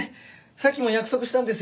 さっきも約束したんですよ。